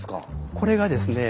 これがですね